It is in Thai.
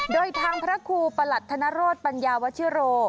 โดยทางพระครูประหลัดธนโรธปัญญาวชิโร